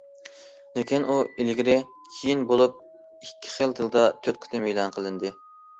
لېكىن ئۇ ئىلگىرى- كېيىن بولۇپ ئىككى خىل تىلدا تۆت قېتىم ئېلان قىلىندى.